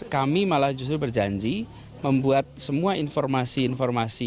kami malah justru berjanji membuat semua informasi informasi